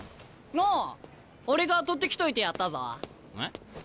ああ俺が取ってきといてやったぞ。え？